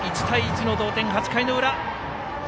１対１の同点、８回の裏。